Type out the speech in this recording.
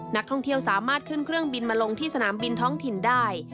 นักท่องเที่ยวสามารถขึ้นเครื่องบินมาลงที่สนามบินท้องถิ่นได้